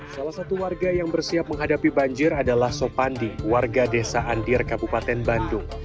salah satu warga yang bersiap menghadapi banjir adalah sopandi warga desa andir kabupaten bandung